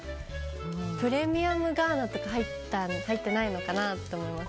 プレミアムガーナとか入ってないのかなって思います。